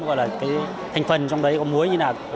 gọi là cái thành phần trong đấy có muối như nào